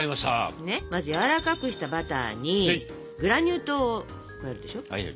まずやわらかくしたバターにグラニュー糖を加えるでしょ。